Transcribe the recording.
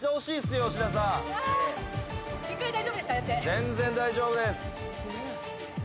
全然大丈夫です。